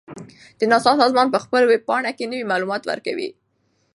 د ناسا سازمان په خپل ویب پاڼه کې نوي معلومات ورکوي.